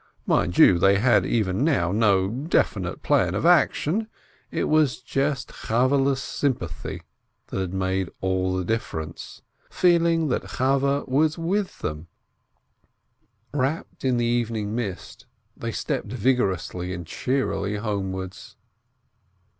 Mind you, they had even now no definite plan of action, it was just Chavvehle's sympathy 474 BLINKIN that had made all the difference — feeling that Chaweh was with them! Wrapped in the evening mist, they stepped vigorously and cheerily homewards.